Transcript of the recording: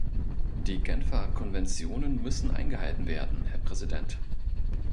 Die Genfer Konventionen müssen eingehalten werden, Herr Präsident.